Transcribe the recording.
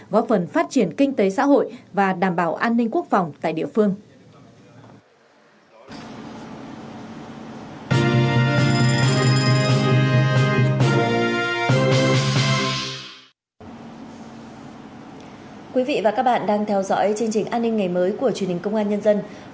góp phần phát triển kinh tế xã hội và đảm bảo an ninh quốc phòng tại địa phương